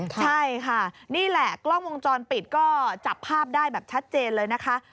ใช่ค่ะนี่แหละกล้องวงจรปิดก็จับภาพได้แบบชัดเจนเลยนะคะ